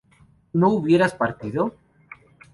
¿no hubieras partido?